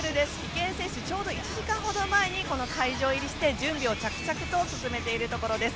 池江選手、ちょうど１時間ほど前に会場入りして準備を着々と進めているところです。